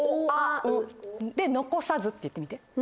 で「残さず」って言ってみて。